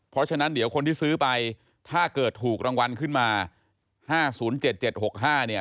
เพราะฉะนั้นเดี๋ยวคนที่ซื้อไปถ้าเกิดถูกรางวัลขึ้นมาห้าศูนย์เจ็ดเจ็ดหกห้าเนี้ย